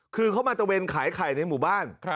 คือเขามาตะเวนขายไข่ในหมู่บ้าน